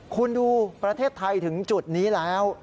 คุณดูประเทศไทยถึงจุดนี้แล้ว